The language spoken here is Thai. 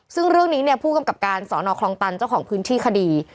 ซึ่งเรื่องนี้เนี่ยผู้กำกับการสอนอคลองตันเจ้าของพื้นที่คดี